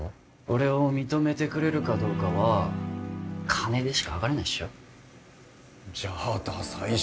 俺を認めてくれるかどうかは金でしかはかれないっしょじゃあダサい